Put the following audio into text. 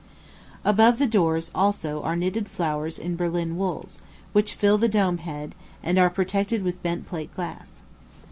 Above the doors, also, are knitted flowers in Berlin wools, which fill the dome head, and are protected with bent plate glass.